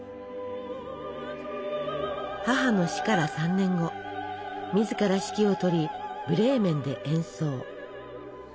母の死から３年後自ら指揮をとりブレーメンで演奏。